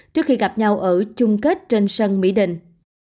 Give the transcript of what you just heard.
trước khi gặp nhau ở chung kết trên sân mỹ đình